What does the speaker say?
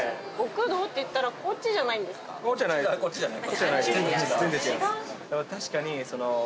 違うこっちじゃない。